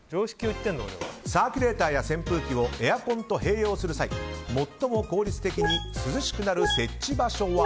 サーキュレーターや扇風機をエアコンと併用する際最も効率的に涼しくなる設置場所は？